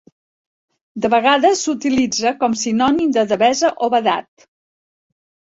De vegades s'utilitza com sinònim de devesa o vedat.